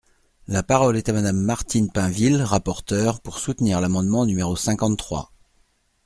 La parole est à Madame Martine Pinville, rapporteure, pour soutenir l’amendement numéro cinquante-trois.